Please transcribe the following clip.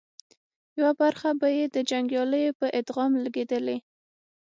يوه برخه به یې د جنګياليو په ادغام لګېدې